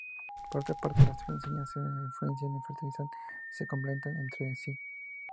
Por otra parte, las tres enseñanzas se influencian, fertilizan y se complementan entre sí.